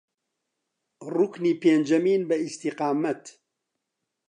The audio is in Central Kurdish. ڕوکنی پێنجەمین بە ئیستیقامەت